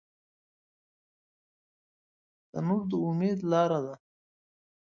تنور د امید لاره ده